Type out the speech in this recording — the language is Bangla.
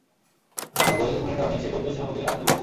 এ সকল গুণের কারণেই সে গোত্রের সেনাপতির আসনে বসে ছিল।